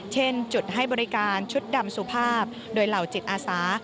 เช่นจุดให้บริการชุดดำสุภาพโดยเหล่าจิตอาสา